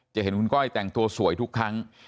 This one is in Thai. จะเห็นคุณก้อยแต่งตัวสวยทุกครั้ง